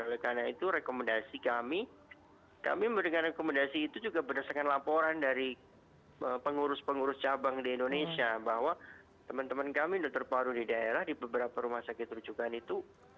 oleh karena itu rekomendasi kami kami memberikan rekomendasi itu juga berdasarkan laporan dari pengurus pengurus cabang di indonesia bahwa teman teman kami sudah terparu di daerah di beberapa rumah sakit rujukan itu jumlah alat alat apd nya ini terbatas gitu